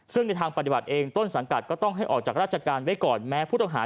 ซึ่งในทางปฏิบัติเองต้นสังกัดก็ต้องให้ออกจากราชการไว้ก่อนแม้ผู้ต้องหา